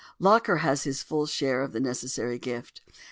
Locker has his full share of the necessary gift.